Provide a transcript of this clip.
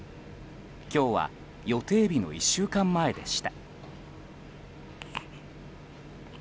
今日は予定日の１週間前でした。